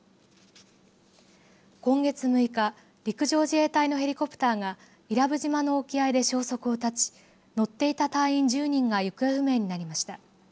今月６日陸上自衛隊のヘリコプターが伊良部島の沖合で消息を絶ち乗っていた隊員１０人が行方不明になりました。